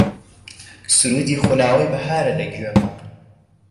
سروودی خوناوەی بەهارە لە گوێما